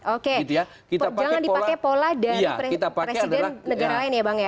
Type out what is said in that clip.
oke jangan dipakai pola dari presiden negara lain ya bang ya